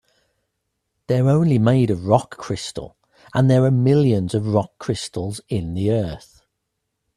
They're only made of rock crystal, and there are millions of rock crystals in the earth.